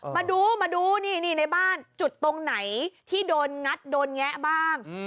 มาดูมาดูนี่ในบ้านจุดตรงไหนที่โดนงัดโดนแงะบ้าง